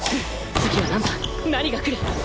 次は何だ？何が来る？